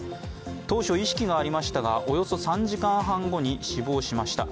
当初意識がありましたが、およそ３時間半後に死亡しました。